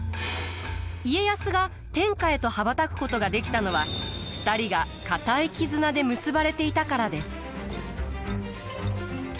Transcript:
家康が天下へと羽ばたくことができたのは２人が固い絆で結ばれていたからです。